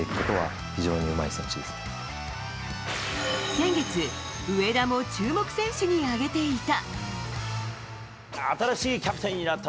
先月、上田も注目選手に挙げていた。